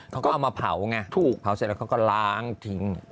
เขาก็เอามาเผาไงถูกเผาเสร็จแล้วเขาก็ล้างทิ้ง